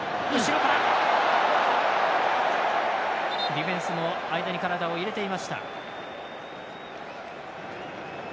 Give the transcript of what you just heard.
ディフェンスも間に体を入れていました。